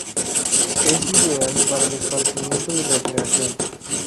Es ideal para el esparcimiento y recreación.